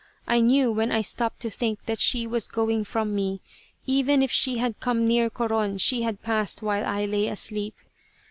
I knew when I stopped to think that she was going from me. Even if she had come near Coron she had passed while I lay asleep.